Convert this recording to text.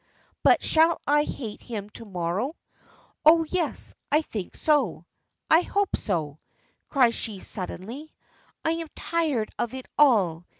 "But shall I hate him to morrow? Oh, yes, I think so I hope so," cries she suddenly. "I am tired of it all.